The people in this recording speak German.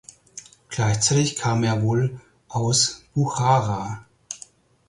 Gleichzeitig kam er wohl aus Buchara.